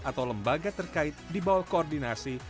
atau lembaga terkait di bawah koordinasi